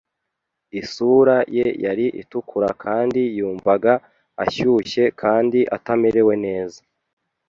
Isura ye yari itukura kandi yumvaga ashyushye kandi atamerewe neza.